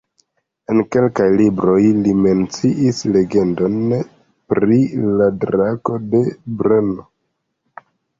En kelkaj libroj li menciis legendon pri la Drako de Brno.